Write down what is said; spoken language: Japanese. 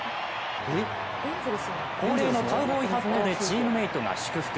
恒例のカウボーイハットでチームメートが祝福。